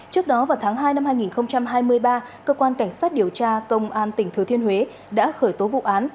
trước đó vào tháng hai năm hai nghìn hai mươi ba cơ quan cảnh sát điều tra công an tỉnh thừa thiên huế đã khởi tố vụ án